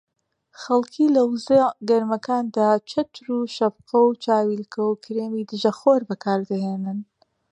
خەڵکی لە وەرزە گەرمەکاندا چەتر و شەپقە و چاویلکە و کرێمی دژەخۆر بەکاردەهێنن